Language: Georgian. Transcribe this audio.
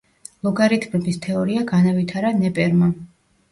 ლოგარითმების თეორია განავითარა ნეპერმა.